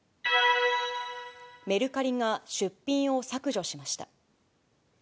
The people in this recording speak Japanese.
メルカリが出品を削除しました。